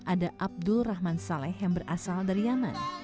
ada abdul rahman saleh yang berasal dari yaman